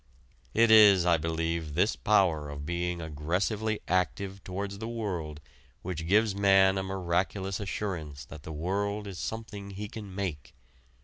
It is, I believe, this power of being aggressively active towards the world which gives man a miraculous assurance that the world is something he can make.